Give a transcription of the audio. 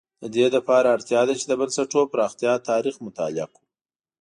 د دې لپاره اړتیا ده چې د بنسټونو پراختیا تاریخ مطالعه کړو.